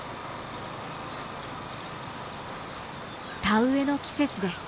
田植えの季節です。